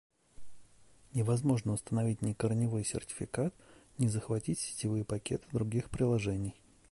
Невозможно установить ни корневой сертификат, ни захватить сетевые пакеты других приложений